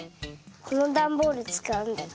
このダンボールつかう。